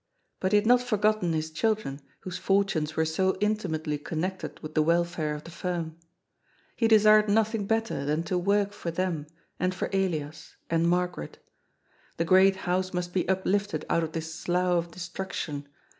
But he had not forgotten his children, whose fortunes were so intimately connected with the welfare of the firm. He THE RESURRECTION AND THE LIFE. 443 desired nothing better than to work for them, and for Elias, and Margaret. The great house must be uplifted out of this slough of destruction.